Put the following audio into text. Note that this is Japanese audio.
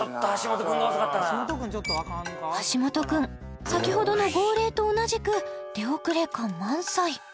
橋本君先ほどの号令と同じく出遅れ感満載